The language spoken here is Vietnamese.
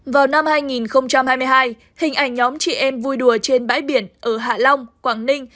vào năm hai nghìn hai mươi hai hình ảnh nhóm chị em vui đùa trên bãi biển ở hạ long quảng ninh